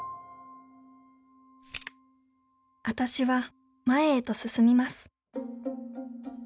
「あたしは前へと進みます」。